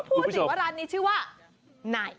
พูดถึงว่าร้านนี้ชื่อว่าไหน